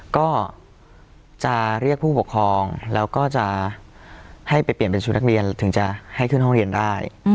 ก็จะเรียกผู้ปกครองแล้วก็จะให้ไปเปลี่ยนเป็นชุดนักเรียนถึงจะให้ขึ้นห้องเรียนได้